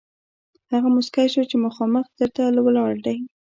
هغه موسکی شو چې مخامخ در ته ولاړ دی.